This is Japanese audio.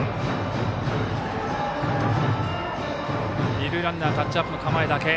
二塁ランナータッチアップの構えだけ。